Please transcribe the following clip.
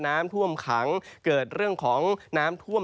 น้ำท่วมขังเกิดเรื่องของน้ำท่วม